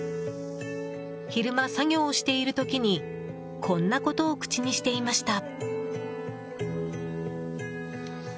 昼間、作業をしている時にこんなことを口にしていました。